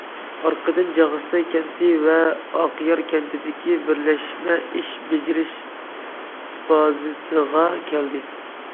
ئارقىدىن جاغىستاي كەنتى ۋە ئاقيار كەنتىدىكى بىرلەشمە ئىش بېجىرىش بازىسىغا كەلدى.